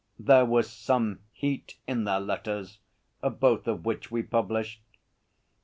There was some heat in their letters, both of which we published.